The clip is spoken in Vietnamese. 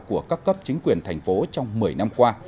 của các cấp chính quyền thành phố trong một mươi năm qua